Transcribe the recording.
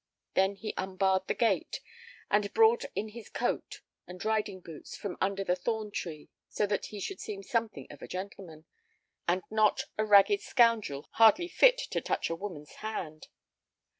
Then he unbarred the gate, and brought in his coat and riding boots from under the thorn tree, so that he should seem something of a gentleman, and not a ragged scoundrel hardly fit to touch a woman's hand.